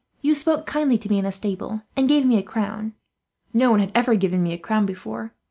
You spoke kindly to me in the stable, and gave me a crown. No one had ever given me a crown before.